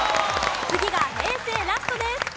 次が平成ラストです。